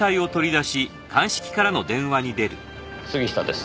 杉下です。